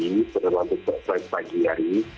ini penerbangan di airport pagi hari ini